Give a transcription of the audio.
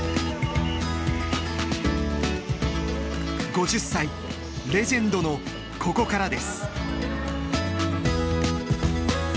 ５０歳レジェンドのここからです。